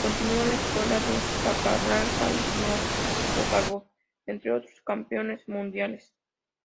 Continúa la escuela de Capablanca, Smyslov o Kárpov, entre otros campeones mundiales.